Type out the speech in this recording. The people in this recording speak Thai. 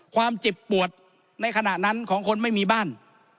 ความเจ็บปวดในขณะนั้นของคนไม่มีบ้าน